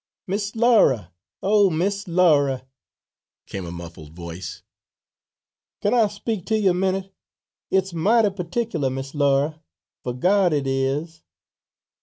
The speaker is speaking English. "Miss Laura, O Miss Laura," came a muffled voice. "Kin I speak to you a minute. It's mighty pertickler, Miss Laura, fo' God it is!"